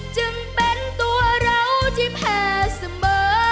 จึงเป็นตัวเราที่แผ่เสมอ